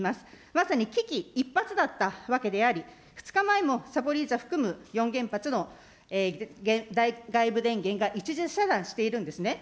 まさに危機一髪だったわけであり、２日前もサポリージャ含む、４原発の外部電源が一時遮断しているんですね。